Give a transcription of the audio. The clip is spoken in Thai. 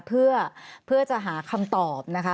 เพื่อจะหาคำตอบนะคะ